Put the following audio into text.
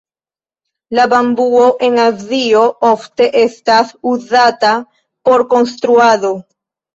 La bambuo en Azio ofte estas uzata por konstruado.